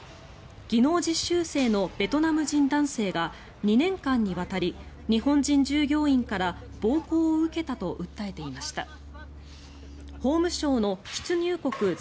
技能実習生のベトナム人男性が２年間にわたり日本人従業員から暴行を受けたと訴えていました。